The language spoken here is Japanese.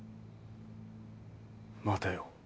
待てよ。